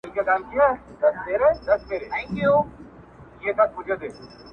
مور د درملو هڅه کوي خو ګټه نه کوي هېڅ